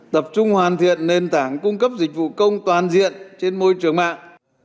tập trung hoàn thiện nền tảng cung cấp dịch vụ công toàn diện trên môi trường mạng